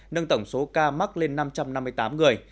nâng tổng số ca mắc lên năm trăm năm mươi tám người